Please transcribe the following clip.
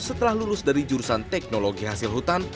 setelah lulus dari jurusan teknologi hasil hutan